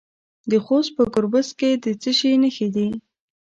د خوست په ګربز کې د څه شي نښې دي؟